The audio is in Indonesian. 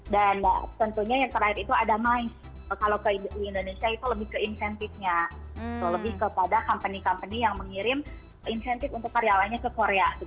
dan tentunya yang terakhir itu ada mais kalau ke indonesia itu lebih ke insentifnya lebih kepada company company yang mengirim insentif untuk karyawannya ke korea